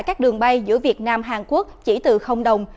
các đường bay giữa việt nam hàn quốc chỉ từ đồng